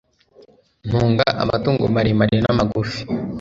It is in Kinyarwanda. ntunga amatungo maremare n'amagufi